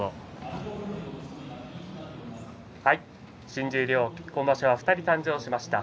新十両、今場所２人誕生しました。